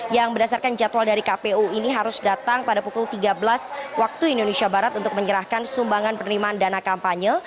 yang berdasarkan jadwal dari kpu ini harus datang pada pukul tiga belas waktu indonesia barat untuk menyerahkan sumbangan penerimaan dana kampanye